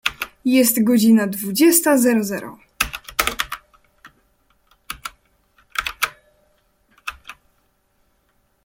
Jest godzina dwudziesta zero zero.